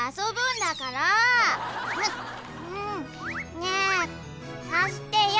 ねえ貸してよ！